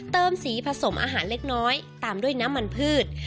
สีผสมอาหารเล็กน้อยตามด้วยน้ำมันพืช